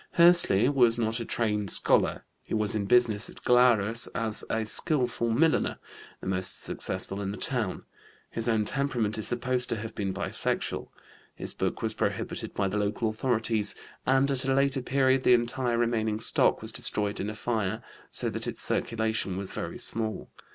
Hössli was not a trained scholar; he was in business at Glarus as a skillful milliner, the most successful in the town. His own temperament is supposed to have been bisexual. His book was prohibited by the local authorities and at a later period the entire remaining stock was destroyed in a fire, so that its circulation was very small.